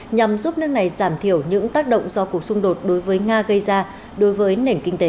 nhằm giúp nước này giảm thiểu những tác động do cuộc xung đột đối với nga gây ra đối với nền kinh tế